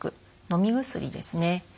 飲み薬ですね。